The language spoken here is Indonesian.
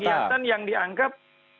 ini adalah satu kegiatan yang dianggap